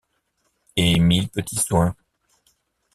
Et mille petits soins.